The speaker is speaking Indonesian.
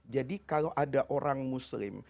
jadi kalau ada orang muslim